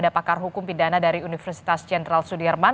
ada pakar hukum pidana dari universitas jenderal sudirman